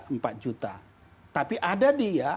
empat juta tapi ada dia